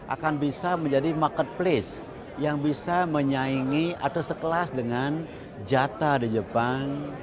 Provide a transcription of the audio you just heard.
akan bisa menjadi marketplace yang bisa menyaingi atau sekelas dengan jata di jepang